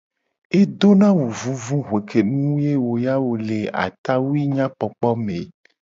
Edona awu vuvu hue ke nu ye wo ya wo le atawui nyakpokpo me.